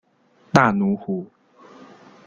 大奴湖。